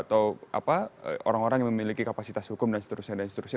atau apa orang orang yang memiliki kapasitas hukum dan seterusnya dan seterusnya